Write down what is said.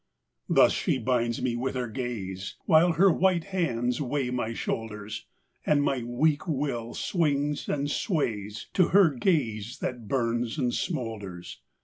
V Thus she binds me with her gaze, While her white hands weigh my shoulders; And my weak will swings and sways To her gaze that burns and smolders.